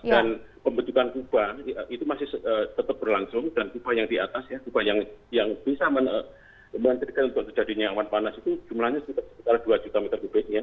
dan pembentukan kubah itu masih tetap berlangsung dan kubah yang di atas ya kubah yang bisa mengerikan untuk terjadinya awan panas itu jumlahnya sekitar dua juta meter kubiknya